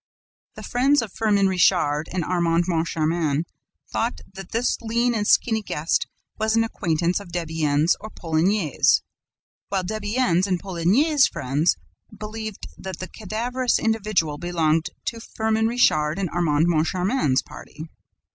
The friends of Firmin Richard and Armand Moncharmin thought that this lean and skinny guest was an acquaintance of Debienne's or Poligny's, while Debienne's and Poligny's friends believed that the cadaverous individual belonged to Firmin Richard and Armand Moncharmin's party.